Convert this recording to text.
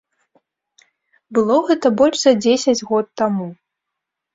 Было гэта больш за дзесяць год таму.